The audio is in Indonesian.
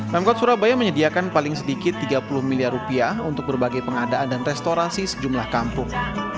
pemkot surabaya menyediakan paling sedikit tiga puluh miliar rupiah untuk berbagai pengadaan dan restorasi sejumlah kampung